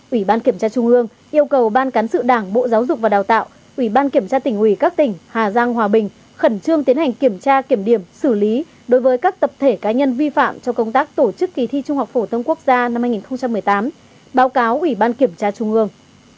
ủy ban kiểm tra trung ương yêu cầu ban cán sự đảng bộ giáo dục và đào tạo ủy ban kiểm tra tỉnh ủy các tỉnh hà giang hòa bình khẩn trương tiến hành kiểm tra kiểm điểm xử lý đối với các tập thể cá nhân vi phạm trong công tác tổ chức kỳ thi trung học phổ thông quốc gia năm hai nghìn một mươi tám báo cáo ủy ban kiểm tra trung ương